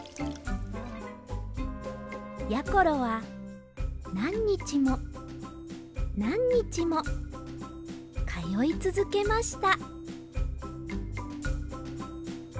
やころはなんにちもなんにちもかよいつづけました